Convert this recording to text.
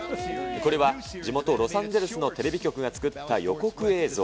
これは地元ロサンゼルスのテレビ局が作った予告映像。